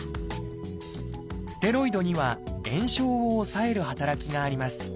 ステロイドには炎症を抑える働きがあります。